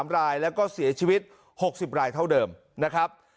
๓รายแล้วก็เสียชีวิต๖๐รายเท่าเดิมนะครับ